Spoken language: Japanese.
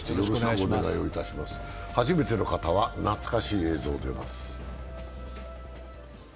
初めての方は懐かしい映像が出ます。